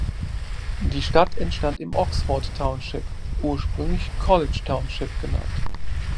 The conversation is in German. Die Stadt entstand im Oxford Township, ursprünglich College Township genannt.